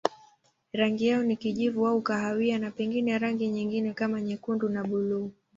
Rangi yao ni kijivu au kahawia na pengine rangi nyingine kama nyekundu na buluu.